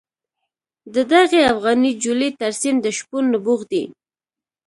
د دغې افغاني جولې ترسیم د شپون نبوغ دی.